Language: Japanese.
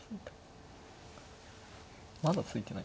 まだ突いてない。